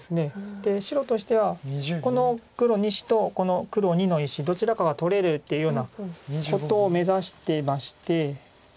で白としてはこの黒２子とこの黒②の石どちらかが取れるっていうようなことを目指してまして。